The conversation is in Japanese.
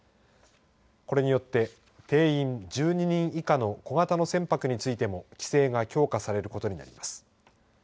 これによって定員１２人以下の小型の船舶についても規制が強化されることになります。